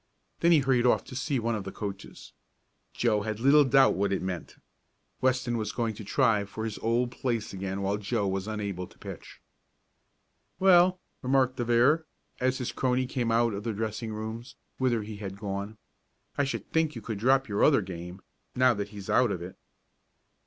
Then he hurried off to see one of the coaches. Joe had little doubt what it meant. Weston was going to try for his old place again while Joe was unable to pitch. "Well," remarked De Vere, as his crony came out of the dressing rooms, whither he had gone. "I should think you could drop your other game, now that's he out of it."